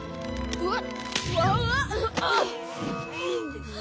うわっ。